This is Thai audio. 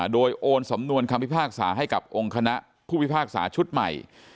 โดยโอนสำนวนคำพิพากษาให้กับองค์คณะผู้พิพากษาชุดใหม่